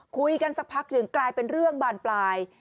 คุยกันสักพักหนึ่งกลายเป็นเรื่องบานปลาย